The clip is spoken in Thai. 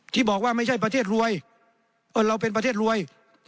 ที่บอกว่าไม่ใช่ประเทศรวยเราเป็นประเทศรวย